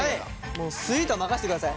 もうスイートは任せてください。